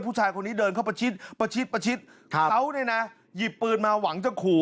ผู้ชายคนนี้เดินเข้าประชิดประชิดประชิดเขาเนี่ยนะหยิบปืนมาหวังจะขู่